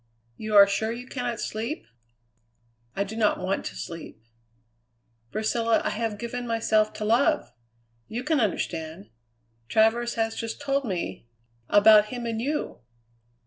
You are sure you cannot sleep?" "I do not want to sleep." "Priscilla, I have given myself to love! You can understand. Travers has just told me about him and you!"